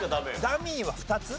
ダミーは２つ？